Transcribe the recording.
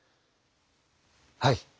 はい。